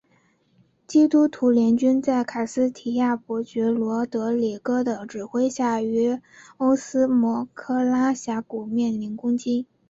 基督徒联军在卡斯提亚伯爵罗德里哥的指挥下于欧斯莫奎拉峡谷面临攻击。